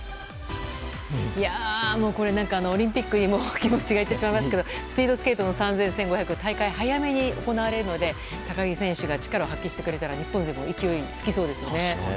オリンピックに気持ちがいってしまいますけどもスピードスケートの３０００、１５００は大会、早めに行われるので高木さんが力を発揮してくれたら日本勢も勢い付きそうですね。